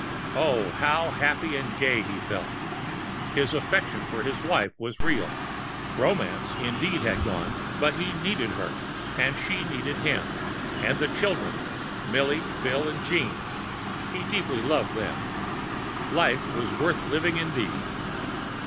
Oh, how happy and gay he felt! His affection for his wife was real. Romance, indeed, had gone, but he needed her and she needed him. And the children Milly, Bill, and Jean he deeply loved them. Life was worth living indeed!